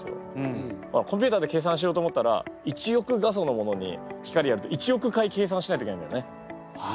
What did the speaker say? コンピューターで計算しようと思ったら１億画素のものに光やると１億回計算しないといけないんだよね。